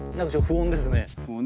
不穏ですね。